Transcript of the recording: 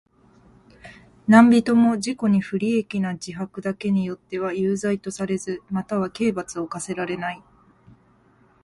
何人（なんびと）も自己に不利益な自白だけによっては有罪とされず、または刑罰を科せられない。